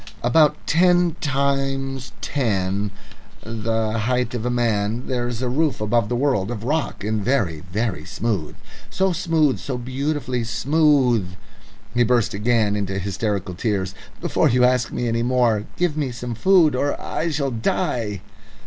"About ten times ten the height of a man there is a roof above the world of rock and very, very smooth." ... He burst again into hysterical tears. "Before you ask me any more, give me some food or I shall die."